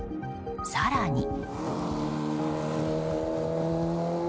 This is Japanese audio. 更に。